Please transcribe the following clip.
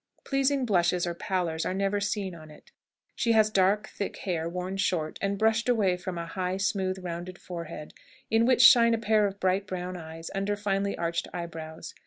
Pleasing blushes or pallors are never seen on it. She has dark, thick hair, worn short, and brushed away from a high, smooth, rounded forehead, in which shine a pair of bright brown eyes, under finely arched eyebrows.